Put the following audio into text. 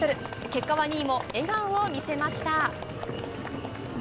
結果は２位も、笑顔を見せました。